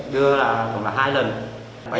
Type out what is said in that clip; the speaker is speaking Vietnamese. đưa là khoảng hai lần